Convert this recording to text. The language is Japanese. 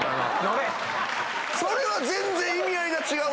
それは意味合いが違う。